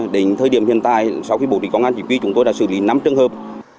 đến thời điểm hiện tại sau khi bộ định công an chỉ quy chúng tôi đã xử lý năm trường hợp